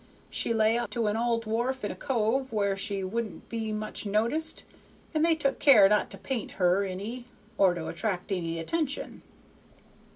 She lay up to an old wharf in a cove where she wouldn't be much noticed, and they took care not to paint her any or to attract any attention.